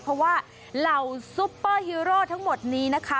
เพราะว่าเหล่าซุปเปอร์ฮีโร่ทั้งหมดนี้นะคะ